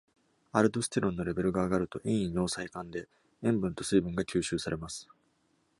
アルドステロンのレベルが上がると、遠位尿細管で塩分と水分が吸収されます。